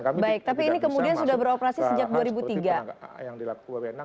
tapi ini kemudian sudah beroperasi sejak dua ribu tiga